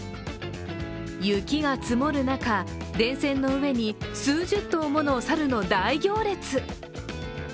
雪が積もる中、電線の上に数十頭もの猿の大行列。